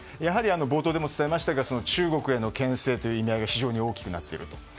冒頭でもお伝えしましたが中国への牽制の意味合いが非常に大きくなっていると。